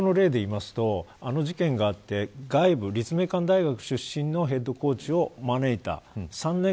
アメフトの例で言いますとあの事件があって外部、立命館大学出身のヘッドコーチを招いた。